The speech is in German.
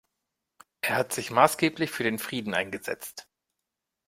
Er hat sich maßgeblich für den Frieden eingesetzt.